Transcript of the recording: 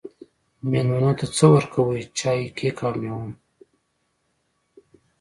میلمنو ته څه ورکوئ؟ چای، کیک او میوه